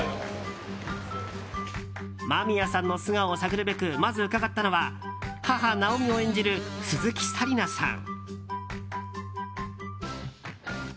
間宮さんの素顔を探るべくまず伺ったのは母ナオミを演じる鈴木紗理奈さん。